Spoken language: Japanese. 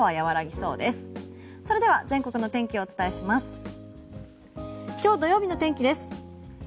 それでは全国のお天気をお伝えします。